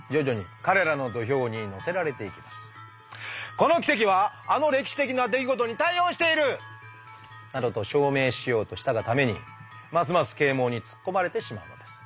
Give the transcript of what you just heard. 「この奇跡はあの歴史的な出来事に対応している！」などと証明しようとしたがためにますます啓蒙に突っ込まれてしまうのです。